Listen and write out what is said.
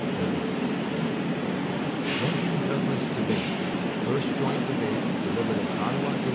DOUGLAS] LINCOLN DOUGLAS DEBATE FIRST JOINT DEBATE, DELIVERED AT OTTAWA, ILL.